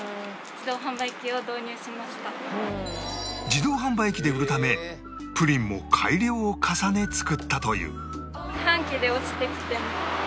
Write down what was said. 自動販売機で売るためプリンも改良を重ね作ったという